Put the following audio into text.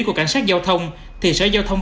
của cảnh sát giao thông thì sở giao thông